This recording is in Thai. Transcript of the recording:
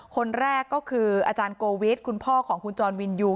คนแรกก็คืออาจารย์โกวิทคุณพ่อของคุณจรวินยู